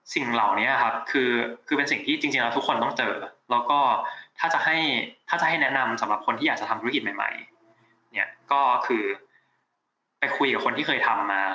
สิ่งเหล่านี้คือเป็นสิ่งที่ทุกคนต้องเจอแล้วก็ถ้าจะให้แนะนำสำหรับคนที่อยากทำธุรกิจใหม่ก็คือไปคุยกับคนที่เคยทำมา